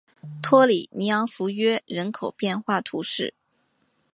托里尼昂弗约人口变化图示